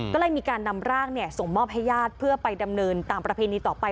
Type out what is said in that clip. ก็เลยมีการนำร่างส่งมอบให้ญาติเพื่อไปดำเนินตามประเพณีต่อไป